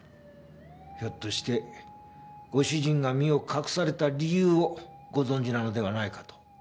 ひょっとしてご主人が身を隠された理由をご存じなのではないかと。